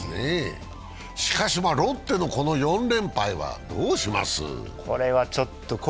しかし、ロッテの４連敗はどうします？